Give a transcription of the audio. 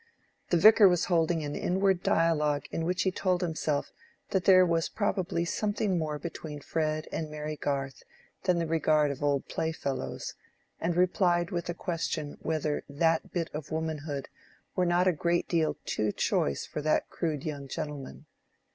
The Vicar was holding an inward dialogue in which he told himself that there was probably something more between Fred and Mary Garth than the regard of old playfellows, and replied with a question whether that bit of womanhood were not a great deal too choice for that crude young gentleman.